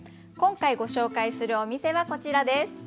今回ご紹介するお店はこちらです。